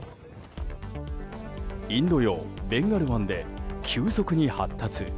インド洋ベンガル湾で急速に発達。